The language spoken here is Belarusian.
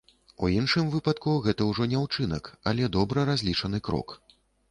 У іншым выпадку гэта ўжо не ўчынак, але добра разлічаны крок.